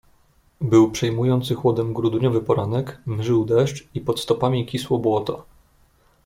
"Był przejmujący chłodem grudniowy poranek, mżył deszcz i pod stopami kisło błoto."